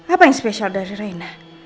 apa yang spesial dari raina